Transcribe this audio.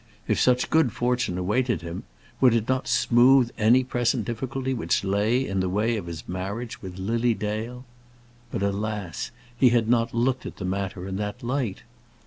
If such good fortune awaited him, would it not smooth any present difficulty which lay in the way of his marriage with Lily Dale? But, alas, he had not looked at the matter in that light!